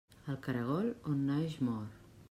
El caragol, on naix mor.